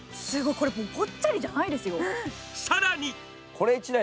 これもうぽっちゃりじゃないですよ。